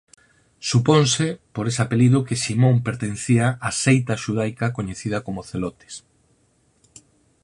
Suponse por ese apelido que Simón pertencía á seita xudaica coñecida como celotes.